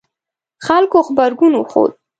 خلکو غبرګون وښود